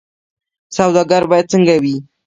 سوداګر باید څنګه وي؟